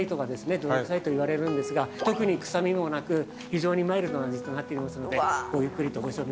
泥臭いといわれるんですが特に臭みもなく非常にマイルドな味となっておりますのでごゆっくりとご賞味ください。